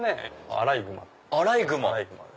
アライグマ。